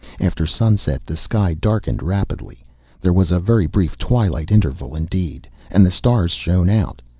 After sunset, the sky darkened rapidly there was a very brief twilight interval indeed and the stars shone out.